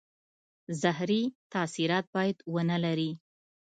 زهري تاثیرات باید ونه لري.